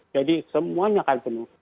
jadi semuanya akan penuh